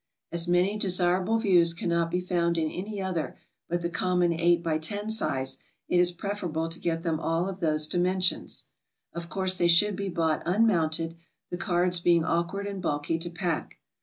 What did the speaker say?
As many disirable views cannot be found in any other but the com mon 8 X TO size, it is preferable to get them all of those dimensions. Of course they should be bought unmounted, the cards being awkward and bulky to pack.